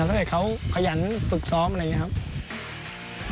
ถ้าเกิดเขาขยันฝึกซ้อมอะไรอย่างนี้ครับ